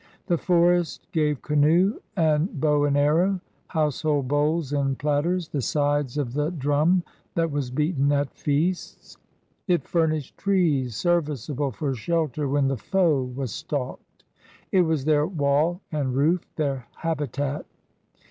The forest gave canoe and bow and arrow, household bowls and platters, the sides of the drum that was beaten at feasts. It fur nished trees serviceable for shelter when the foe ■ was stalked. It was their wall and roof, their habi tat.